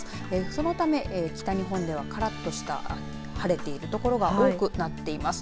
そのため北日本ではからっとした晴れている所が多くなっています。